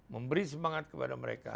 memberi semangat kepada mereka